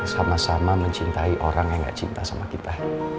sama sama mencintai orang yang gak cinta sama kita